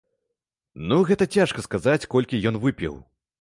Ну, гэта цяжка сказаць, колькі ён выпіў.